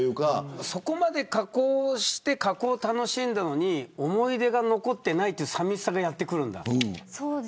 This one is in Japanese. そこまで加工して加工を楽しんだのに思い出が残ってないっていう寂しさがやってくるんだ。